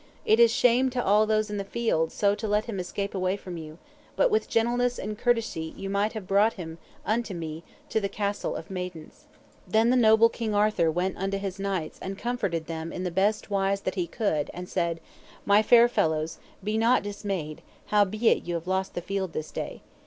It is shame to all those in the field so to let him escape away from you; but with gentleness and courtesy ye might have brought him unto me to the Castle of Maidens. Then the noble King Arthur went unto his knights and comforted them in the best wise that he could, and said: My fair fellows, be not dismayed, howbeit ye have lost the field this day.